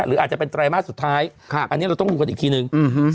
หรืออาจจะเป็นสุดท้ายค่ะอันนี้เราต้องดูกันอีกทีหนึ่งอืม